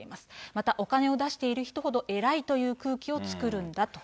またお金を出している人ほど、偉いという空気を作るんだと。